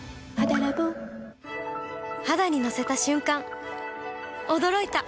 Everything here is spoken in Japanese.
肌に乗せた瞬間、驚いた。